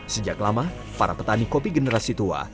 sejak lama para petani kopi generasi tua